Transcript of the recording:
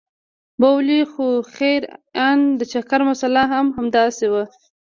بولې خو خير ان د چکر مساله هم همداسې وه.